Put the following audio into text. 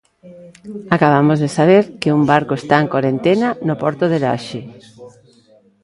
Acabamos de saber que un barco está en corentena no porto de Laxe.